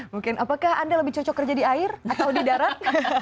mungkin apakah anda lebih cocok kerja di air atau di darat